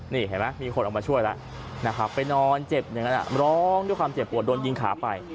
นี่เห็นไหมมีคนออกมาช่วยแล้วไปนอนเจ็บร้องด้วยความเจ็บปวดโดนยิงขาไป